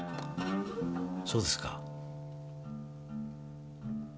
そうですか。